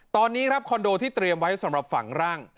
ตอนนี้ครับคอนโดที่เตรียมไว้สำหรับฝังร่าง